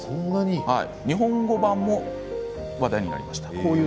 日本語版も話題になりました。